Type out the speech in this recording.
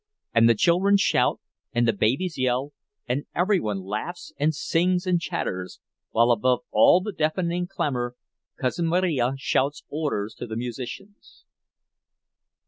And the children shout and the babies yell, and every one laughs and sings and chatters—while above all the deafening clamor Cousin Marija shouts orders to the musicians.